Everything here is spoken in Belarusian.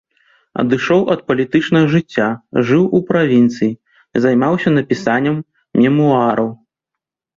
Адышоў ад палітычнага жыцця, жыў у правінцыі, займаўся напісаннем мемуараў.